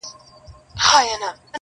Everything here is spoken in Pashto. • مسافرو وو خپل مرګ داسي هېر کړی -